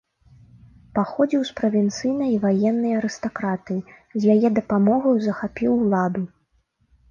Паходзіў з правінцыйнай ваеннай арыстакратыі, з яе дапамогаю захапіў уладу.